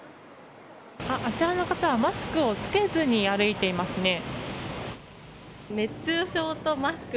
あちらの方はマスクを着けずに歩いていますね。